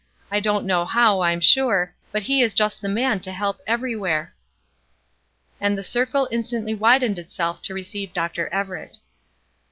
I don't know how, I'm sure; but he is just the man to help everywhere." And the circle instantly widened itself to receive Dr. Everett.